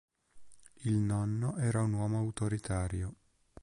Il nonno era un uomo autoritario.